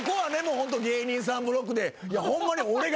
ホント芸人さんブロックで。